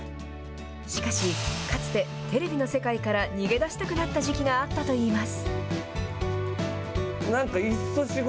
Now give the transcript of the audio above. しかし、かつて、テレビの世界から逃げ出したくなった時期があったといいます。